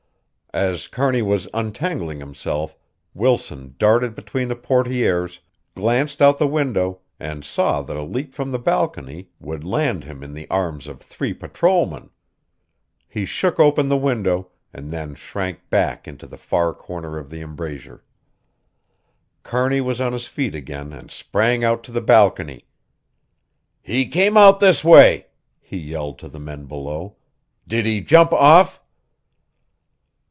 As Kearney was untangling himself Wilson darted between the portières, glanced out the window and saw that a leap from the balcony would land him in the arms of three patrolmen. He shook open the window and then shrank back into the far corner of the embrasure. Kearney was on his feet again and sprang out to the balcony. "He came out this way," he yelled to the men below. "Did he jump off?"